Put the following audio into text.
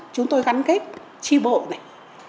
chúng tôi gắn kết chi bộ này